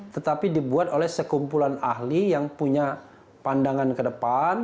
tetapi dibuat oleh sekumpulan ahli yang punya pandangan ke depan